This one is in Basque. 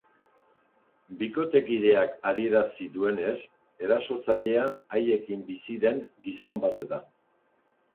Bikotekideak adierazi duenez, erasotzailea haiekin bizi den gizon bat da.